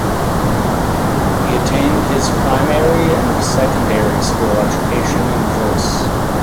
He attained his primary and secondary school education in Jos.